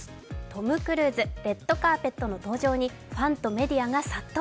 トム・クルーズ、レッドカーペットの登場にファンとメディアが殺到。